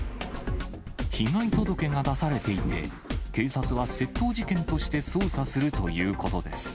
被害届が出されていて、警察は窃盗事件として捜査するということです。